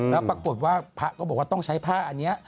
แล้วปรากฏว่าพระก็บอกว่าต้องใช้ผ้าอันนี้